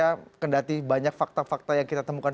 kita kendati banyak fakta fakta yang kita temukan